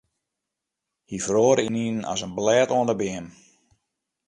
Hy feroare ynienen as in blêd oan 'e beam.